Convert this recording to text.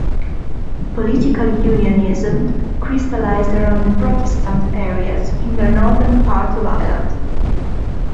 Political Unionism crystallised around the Protestant areas in the northern part of Ireland.